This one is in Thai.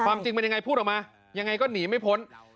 จริงเป็นยังไงพูดออกมายังไงก็หนีไม่พ้น